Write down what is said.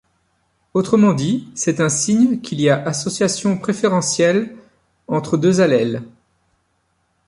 Autrement dit, c'est un signe qu'il y a association préférentielle entre deux allèles.